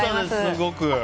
すごく。